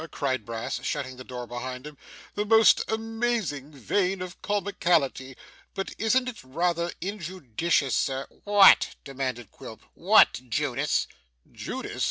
cried Brass, shutting the door behind him; 'the most amazing vein of comicality! But isn't it rather injudicious, sir ?' 'What?' demanded Quilp. 'What, Judas?' 'Judas!